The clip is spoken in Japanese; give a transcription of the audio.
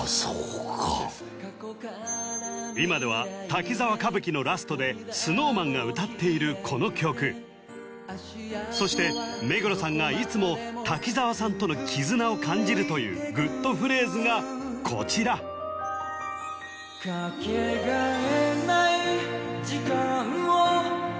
今では「滝沢歌舞伎」のラストでＳｎｏｗＭａｎが歌っているこの曲そして目黒さんがいつも滝沢さんとの絆を感じるというグッとフレーズがこちら目黒くん